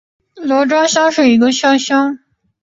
罗庄乡是中国河南省商丘市夏邑县下辖的一个乡。